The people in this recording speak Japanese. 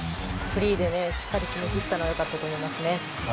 フリーでしっかり決めきったのは良かったと思いますね。